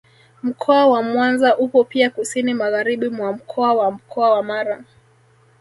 Mkoa wa Mwanza upo pia kusini magharibi mwa mkoa wa Mkoa wa Mara